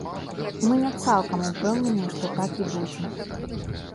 Мы не цалкам упэўненыя, што так і будзе.